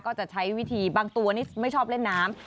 จะใช้วิธีบางตัวนี่ไม่ชอบเล่นน้ำ